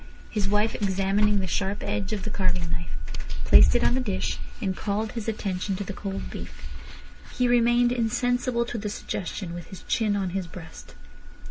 His wife examining the sharp edge of the carving knife, placed it on the dish, and called his attention to the cold beef. He remained insensible to the suggestion, with his chin on his breast.